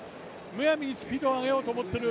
むやみにスピードを上げようと思っている